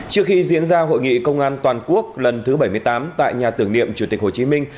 trước khi diễn ra hội nghị công an toàn quốc lần thứ bảy mươi tám tại nhà tưởng niệm chủ tịch hồ chí minh